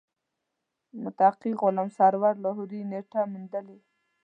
مفتي غلام سرور لاهوري نېټه موندلې.